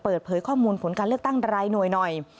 เปิดเผยข้อมูลผลการเลือกตั้งรายหน่วยหน่อย